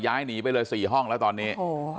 ย้ายหนีไปเลย๔ห้องแล้วตอนนี้